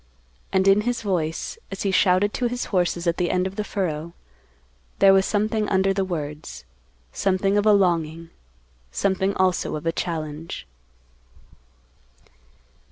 And in his voice, as he shouted to his horses at the end of the furrow, there was something under the words, something of a longing, something also of a challenge.